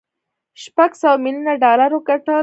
شپږ سوه ميليونه ډالر وګټل.